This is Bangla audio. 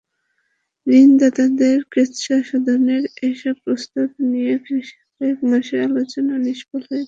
ঋণদাতাদের কৃচ্ছ্রসাধনের এসব প্রস্তাব নিয়ে কয়েক মাসের আলোচনা নিষ্ফল হয়ে যায়।